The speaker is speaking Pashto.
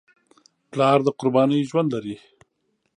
پلار د قربانۍ ژوند لري.